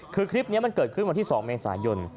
คือคลิปนี้มันเกิดขึ้นวันที่๒เมษายน